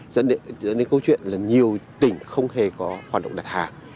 dẫn đến câu chuyện là nhiều tỉnh không hề có hoạt động đặt hàng